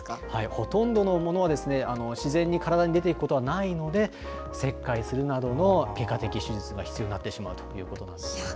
ほとんどのものは自然に体に出ていくことはないので、切開するなどの外科的手術が必要になってしまうということなんですね。